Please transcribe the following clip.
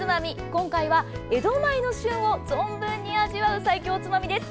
今回は江戸前の旬を存分に味わう最強おつまみです。